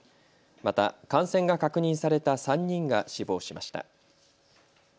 また感染が確認された３人が死亡しました。